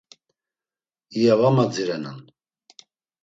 İya va madzirenan.